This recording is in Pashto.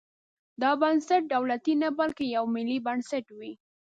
دا بنسټ دولتي نه بلکې یو ملي بنسټ وي.